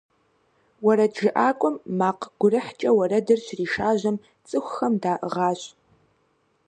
УэрэджыӀакӀуэм макъ гурыхькӀэ уэрэдыр щришажьэм, цӏыхухэм даӏыгъащ.